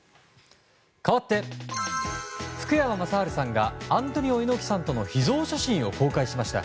かわって、福山雅治さんがアントニオ猪木さんとの秘蔵写真を公開しました。